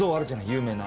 有名な。